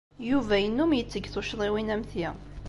Yuba yennum yetteg tuccḍiwin am ti.